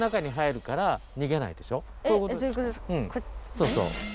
そうそう。